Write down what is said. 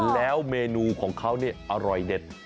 แล้วเมนูของเขาเนี่ยอร่อยเด็ด